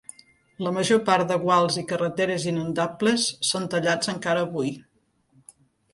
La major part de guals i carreteres inundables són tallats encara avui.